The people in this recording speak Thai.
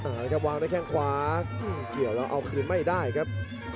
เอาละครับวางด้วยแข้งขวาเกี่ยวแล้วเอาคืนไม่ได้ครับ